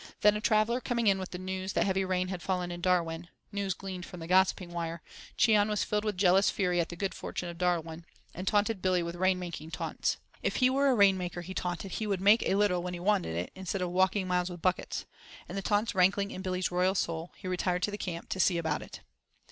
Then a traveller coming in with the news that heavy ram had fallen in Darwin—news gleaned from the gossiping wire—Cheon was filled with jealous fury at the good fortune of Darwin, and taunted Billy with rain making taunts. "If he were a rain maker," he taunted, "he would make a little when he wanted it, instead of walking miles with buckets," and the taunts rankling in Billy's royal soul, he retired to the camp to see about it.